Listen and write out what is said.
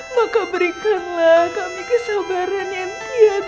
maka berikanlah kami kesabaran yang tiada batas ya allah